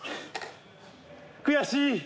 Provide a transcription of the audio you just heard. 悔しい。